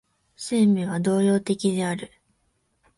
生命は動揺的である。